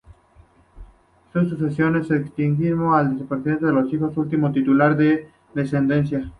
La sucesión se extinguió al desaparecer los hijos del último titular sin descendencia.